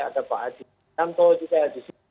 ada pak adi santo juga di sini